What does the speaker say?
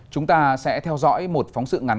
chúng ta sẽ theo dõi một phóng sự ngắn